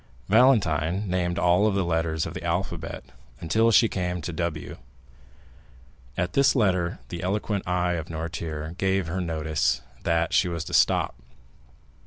Valentine named all the letters of the alphabet until she came to W. At this letter the eloquent eye of Noirtier gave her notice that she was to stop.